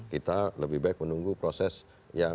kita lebih baik menunggu proses yang memang mekanismenya diatur